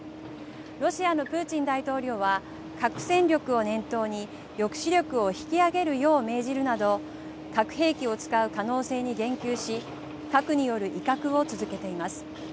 ロシアのプーチン大統領は核戦力を念頭に抑止力を引き上げるよう命じるなど核兵器を使う可能性に言及し核による威嚇を続けています。